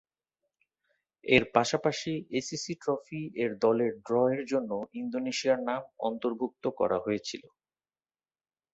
এর পাশাপাশি ACC trophy এর দলের ড্র এর জন্য ইন্দোনেশিয়ার নাম অন্তর্ভুক্ত করা হয়েছিল।